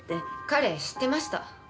彼知ってました。